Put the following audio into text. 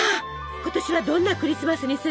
今年はどんなクリスマスにする？